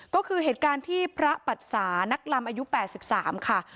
ก็คือเหตุการณ์ที่พระปัจสานักลำอายุ๘๓ค่ะ